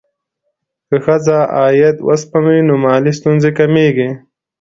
که ښځه عاید وسپموي، نو مالي ستونزې کمېږي.